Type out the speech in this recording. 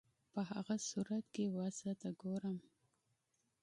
په هغه صورت کې وضع ته ګورم.